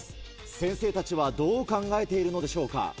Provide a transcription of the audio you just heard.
先生たちはどう考えているのでしょうか？